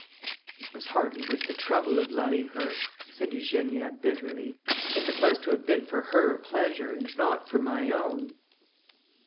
"It was hardly worth the trouble of loving her," said Eugenia bitterly, "if it was to have been for her pleasure, and not for my own."